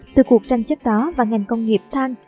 từ cuộc tranh chấp đó và ngành công nghiệp than